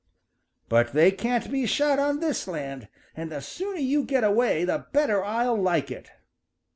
But they can't be shot on this land, and the sooner you get away the better I'll like it."